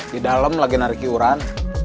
di dalam lagi narik iuran